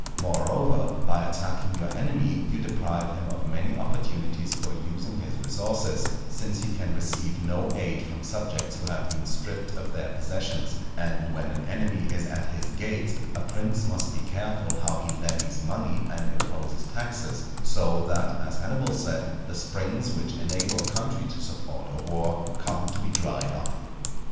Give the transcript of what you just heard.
Moreover, by attacking your enemy you deprive him of many opportunities for using his resources, since he can receive no aid from subjects who have been stripped of their possessions; and when an enemy is at his gates, a prince must be careful how he levies money and imposes taxes; so that, as Hannibal said, the springs which enable a country to support a war come to be dried up.